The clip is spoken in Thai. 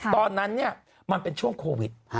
ตอนนั้นมันเป็นช่วงโควิด